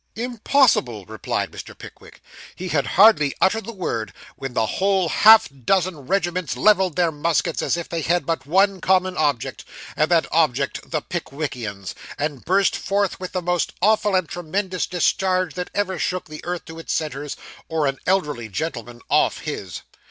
'Impossible,' replied Mr. Pickwick. He had hardly uttered the word, when the whole half dozen regiments levelled their muskets as if they had but one common object, and that object the Pickwickians, and burst forth with the most awful and tremendous discharge that ever shook the earth to its centres, or an elderly gentleman off his.